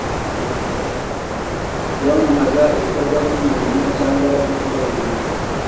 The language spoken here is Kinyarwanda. Uwamamaza ibikorwa by'umuntu cyangwa by'ikigo runaka